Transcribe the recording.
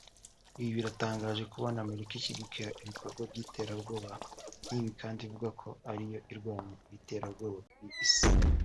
Ibi biratangaje kubona Amerika ishyigikira ibikorwa by’iterabwoba nk’ibi kandi ivuga ko ariyo irwanya iterabwoba ku isi